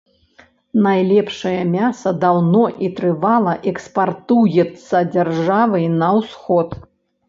Найлепшае мяса даўно і трывала экспартуецца дзяржавай на ўсход.